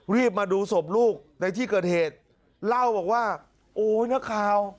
รีบมาดูศพลูกในที่เกิดเหตุเล่าบอกว่าโอ้ยนักข่าว